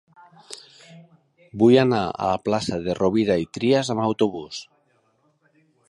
Vull anar a la plaça de Rovira i Trias amb autobús.